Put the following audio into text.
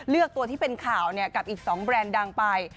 เลือกตัวที่เป็นข่าวเนี่ยกับอีกสองแบรนด์ดังไป